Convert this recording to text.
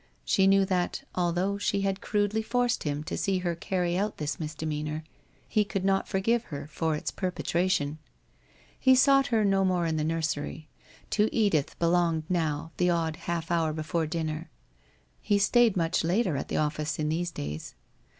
She knew that, although she had crudely forced him to see her carry out this misdemeanour, he could not forgive her for its perpetration. He sought her no more in the nursery; to Edith belonged now the odd half hour before dinner. It was seldom half an hour, he stayed much later at the office in these days.